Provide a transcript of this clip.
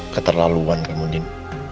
keterlaluan kamu nin